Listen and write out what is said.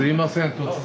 突然。